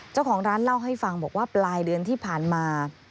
เจ้าของร้านเล่าให้ฟังบอกว่าปลายเดือนที่ผ่านมา